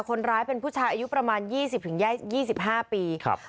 คนร้ายเป็นผู้ชายอายุประมาณยี่สิบถึงยี่สิบห้าปีครับ